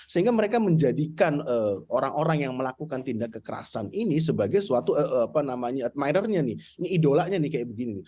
sehingga mereka menjadikan orang orang yang melakukan tindak kekerasan ini sebagai suatu apa namanya adminernya nih ini idolanya nih kayak begini